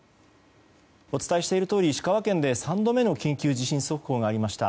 お伝えしているとおり石川県で３度目の緊急地震速報がありました。